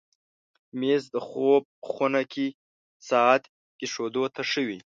مېز د خوب خونه کې ساعت ایښودو ته ښه وي.